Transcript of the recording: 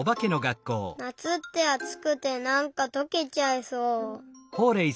なつってあつくてなんかとけちゃいそう。